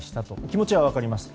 気持ちは分かります。